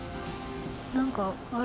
何かある。